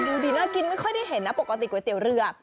ดูดิน่ากินไม่ค่อยได้เห็นนะปกติก๋วยเตี๋ยวเรือ